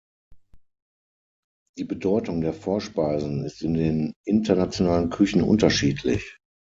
Die Bedeutung der Vorspeisen ist in den internationalen Küchen unterschiedlich.